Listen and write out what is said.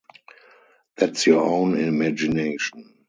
That’s your own imagination.